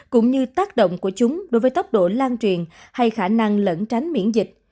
cũng như tác động của chúng đối với tốc độ lan truyền hay khả năng lẫn tránh miễn dịch